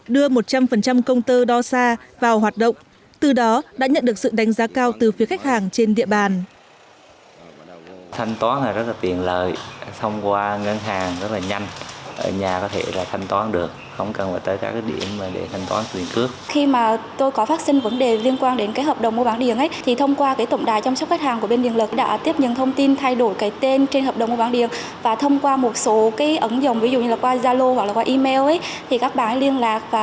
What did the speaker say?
đưa một trăm linh công tơ đo xa vào hoạt động từ đó đã nhận được sự đánh giá cao từ phía khách hàng trên địa bàn